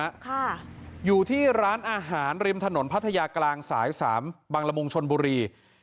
ค่ะอยู่ที่ร้านอาหารริมถนนพัทยากลางสายสามบังละมุงชนบุรี